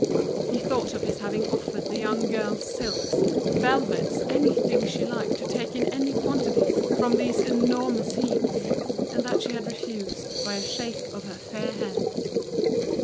He thought of his having offered the young girl silks, velvets, anything she liked to take in any quantities, from these enormous heaps, and that she had refused by a shake of her fair head.